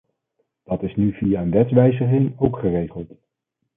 Dat is nu via een wetswijziging ook geregeld.